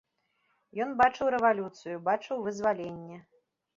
Ён бачыў рэвалюцыю, бачыў вызваленне.